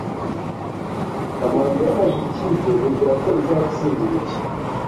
kamanzi yambajije ikipe nibwiraga ko izatsinda umukino